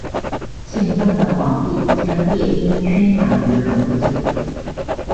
兴奋的皇帝将夜莺圈养于笼子。